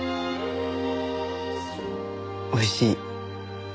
おいしい。